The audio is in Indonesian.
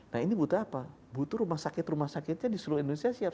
nah ini butuh apa butuh rumah sakit rumah sakitnya di seluruh indonesia siap